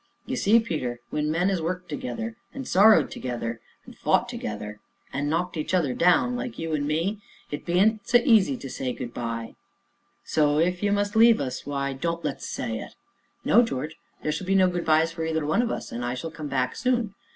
"Ye see, Peter, when men 'as worked together and sorrowed together an' fou't together an' knocked each other down like you an' me it bean't so easy to say 'good by' so, if you must leave us why don't let's say it." "No, George, there shall be no 'good bys' for either one of us, and I shall come back soon.